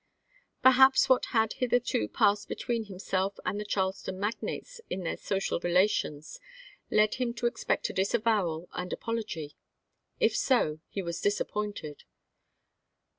Perhaps what had hitherto passed between him self and the Charleston magnates in their social relations led him to expect a disavowal and apol ogy. If so he was disappointed.